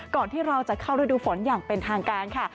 ที่เราจะเข้าฤดูฝนอย่างเป็นทางการค่ะ